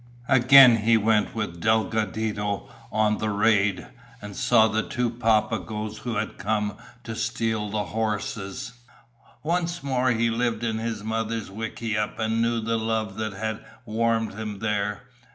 Again he went with Delgadito on the raid, and saw the two Papagoes who had come to steal horses. Once more he lived in his mother's wickiup, and knew the love that had warmed him there.